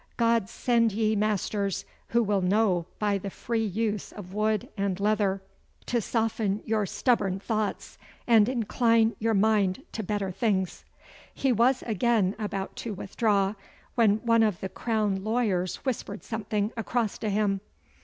God send ye masters who will know by the free use of wood and leather to soften your stubborn thoughts and incline your mind to better things.' He was again about to withdraw, when one of the Crown lawyers whispered something across to him.